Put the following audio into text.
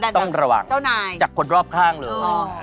ต้องระวังจากคนรอบข้างเลย